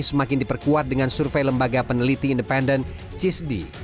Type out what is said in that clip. semakin diperkuat dengan survei lembaga peneliti independen cisdi